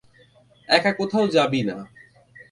একা কোথাও যাবি না।